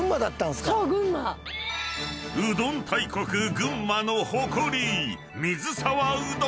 ［うどん大国群馬の誇り］